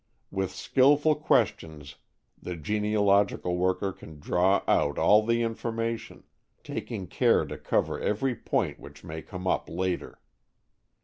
With skillful questions the genealogical worker can draw out all the information, taking care to cover every point which may come up later.